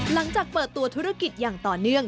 หลังจากเปิดตัวธุรกิจอย่างต่อเนื่อง